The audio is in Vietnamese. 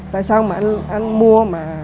tại sao mà anh mua mà